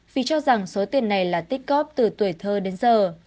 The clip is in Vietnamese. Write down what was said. vì cho rằng số tiền này là tích cóp từ tuổi thơ đến giờ